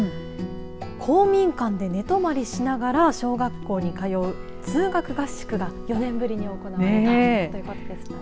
公民館で寝泊りしながら小学校に通う通学合宿が４年ぶりに行われたということですけどね。